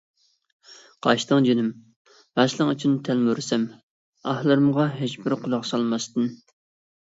قاچتىڭ جېنىم، ۋەسلىڭ ئۈچۈن تەلمۈرسەم، ئاھلىرىمغا ھېچبىر قۇلاق سالماستىن.